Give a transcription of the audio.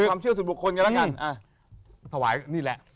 เพราะที่เผากระดาษให้พ่อนี่แหละ